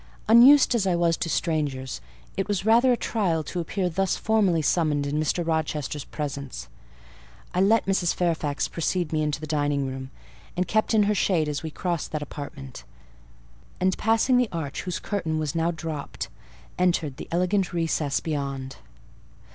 Unused as I was to strangers, it was rather a trial to appear thus formally summoned in Mr. Rochester's presence. I let Mrs. Fairfax precede me into the dining room, and kept in her shade as we crossed that apartment; and, passing the arch, whose curtain was now dropped, entered the elegant recess beyond.